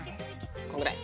こんぐらい？